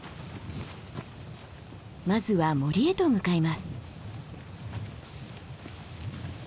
まずは森へと向かいます。